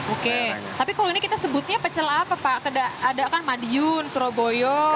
oke tapi kalau ini kita sebutnya pecel apa pak ada kan madiun surabaya